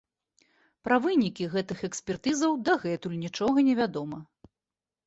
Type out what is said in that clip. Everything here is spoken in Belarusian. Пра вынікі гэтых экспертызаў дагэтуль нічога не вядома.